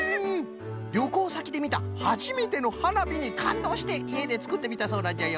りょこうさきでみたはじめてのはなびにかんどうしていえでつくってみたそうなんじゃよ。